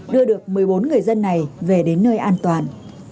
đưa được một mươi bốn người dân này về đến nơi an toàn